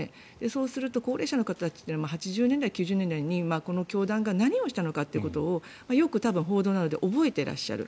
そうすると高齢者の方たちは８０年代、９０年代にこの教団が何をしたのかということをよく報道などで覚えてらっしゃる。